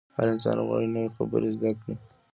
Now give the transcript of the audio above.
هر انسان غواړي نوې خبرې زده کړي.